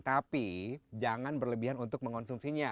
tapi jangan berlebihan untuk mengonsumsinya